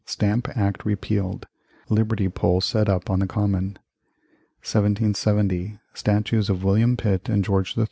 Stamp Act repealed Liberty Pole set up on the Common 1770. Statues of William Pitt and George III.